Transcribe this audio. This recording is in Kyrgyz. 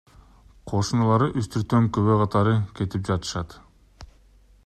Кошуналары үстүртөн күбө катары кетип жатышат.